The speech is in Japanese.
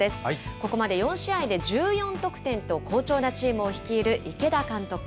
ここまで４試合で１４得点と好調なチームを率いる池田監督。